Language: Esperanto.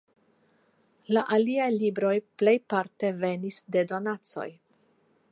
La aliaj libroj plejparte venis de donacoj.